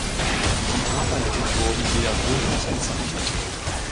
Ihre Arbeiten wurden wiederholt ausgezeichnet.